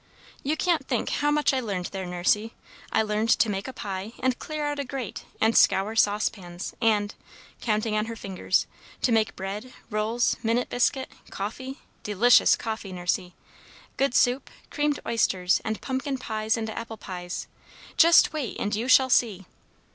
You can't think how much I learned there, Nursey! I learned to make a pie, and clear out a grate, and scour saucepans, and," counting on her fingers, "to make bread, rolls, minute biscuit, coffee, delicious coffee, Nursey! good soup, creamed oysters, and pumpkin pies and apple pies! Just wait, and you shall see!"